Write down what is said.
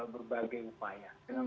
berbagai upaya dengan